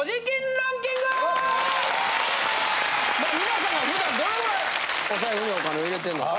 皆さんが普段どのぐらいお財布にお金を入れてるのか。